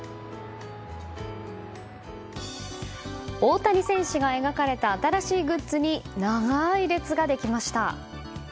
大谷選手が描かれた新しいグッズに長い列ができました。